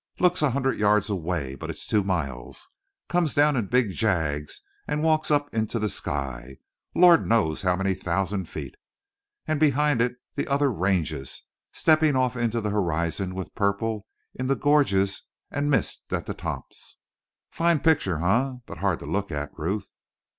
Looks a hundred yards away, but it's two miles. Comes down in big jags and walks up into the sky Lord knows how many thousand feet. And behind it the other ranges stepping off into the horizon with purple in the gorges and mist at the tops. Fine picture, eh? But hard to look at, Ruth.